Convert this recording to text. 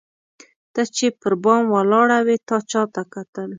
ته چي پر بام ولاړه وې تا چاته کتل؟